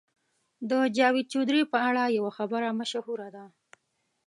د جاوید چودهري په اړه یوه خبره مشهوره ده.